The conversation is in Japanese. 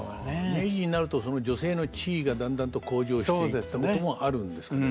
明治になるとその女性の地位がだんだんと向上していったこともあるんですかね。